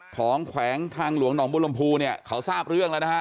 แขวงทางหลวงหนองบุรมภูเนี่ยเขาทราบเรื่องแล้วนะฮะ